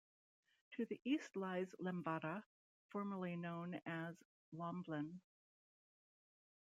To the east lies Lembata, formerly known as Lomblen.